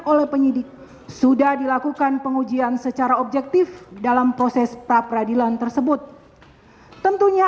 oleh penyidik sudah dilakukan pengujian secara objektif dalam proses pra peradilan tersebut tentunya